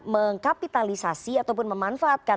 mengkapitalisasi ataupun memanfaatkan